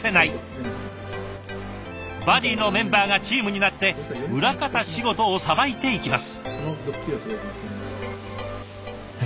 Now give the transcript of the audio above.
バディのメンバーがチームになって裏方仕事をさばいていきます。